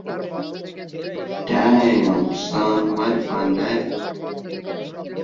তার পিতা একজন কিউবান বংশোদ্ভূত।